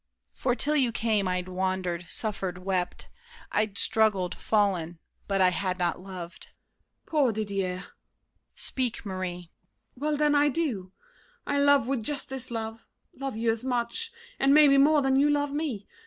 For 'til you came, I'd wandered, suffered, wept; I'd struggled, fallen—but I had not loved. MARION. Poor Didier! DIDIER. Speak, Marie! MARION. Well, then, I do. I love with just this love—love you as much And maybe more than you love me!